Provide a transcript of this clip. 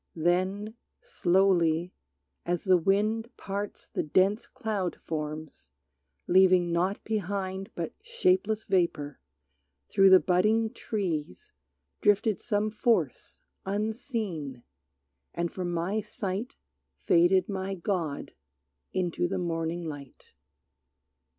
Then, slowly, as the wind Parts the dense cloud forms, leaving naught behind But shapeless vapor, through the budding trees Drifted some force unseen, and from my sight Faded my god into the morning light.